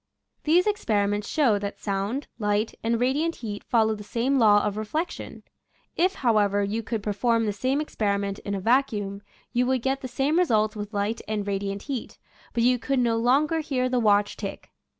These experiments show that sound, light, and radiant heat follow the same law of re flection. If, however, you could perform the same experiment in a vacuum, you would get the same results with light and radiant heat, but you could no longer hear the watch tick.